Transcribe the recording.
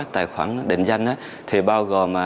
tài khoản định danh thì bao gồm